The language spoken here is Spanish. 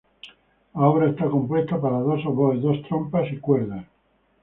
La obra está compuesta para dos oboes, dos trompas, y cuerdas.